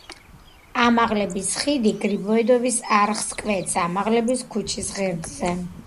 ამაღლების ხიდი გრიბოედოვის არხს კვეთს ამაღლების ქუჩის ღერძზე.